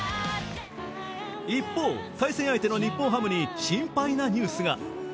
一方、対戦相手の日本ハムに心配なニュースが。